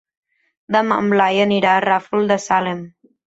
Demà en Blai anirà al Ràfol de Salem.